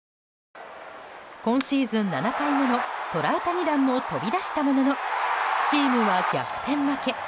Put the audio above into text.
今シーズン７回目のトラウタニ弾も飛び出したもののチームは逆転負け。